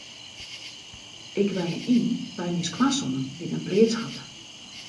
Ik wenje yn by my skoansoan dy't in pleats hat.